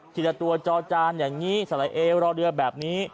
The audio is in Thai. ทีละตัวจอจานอย่างนี้สละเอวรอเรือแบบนี้